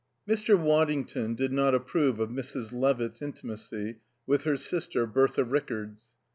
VI 1 Mr. Waddington did not approve of Mrs. Levitt's intimacy with her sister, Bertha Rickards.